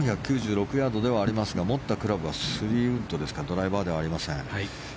４９６ヤードではありますが持ったクラブは３ウッドですかドライバーではありません。